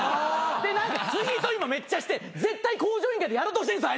で何かツイート今めっちゃして絶対『向上委員会』でやろうとしてんですよ